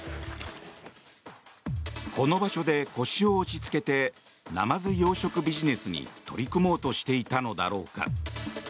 この場所で腰を落ち着けてナマズ養殖ビジネスに取り組もうとしていたのだろうか。